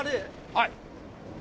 はい。